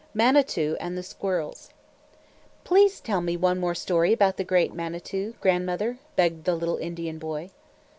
MANITOU AND THE SQUIRRELS "Please tell me one more story about the great Manitou, Grandmother," begged the little Indian boy.